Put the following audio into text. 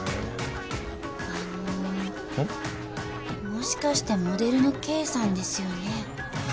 もしかしてモデルの圭さんですよね？